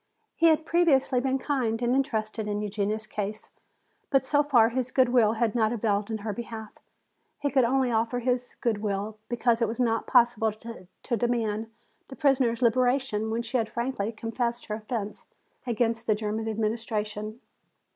He had previously been kind and interested in Eugenia's case, but so far his good will had not availed in her behalf. He could only offer his good will, because it was not possible to demand the prisoner's liberation when she had frankly confessed her offense against the German administration.